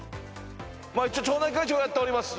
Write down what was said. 町内会長をやっております。